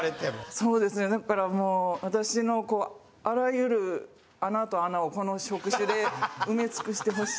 そうですねだからもう私のあらゆる穴と穴をこの触手で埋め尽くしてほしい。